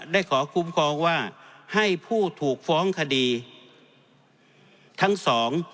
ได้ขอคุ้มครองว่าให้ผู้ถูกฟ้องคดีทั้งสอง